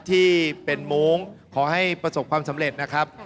ที่เป็นโม้งขอให้ประสบความสำเร็จนะครับ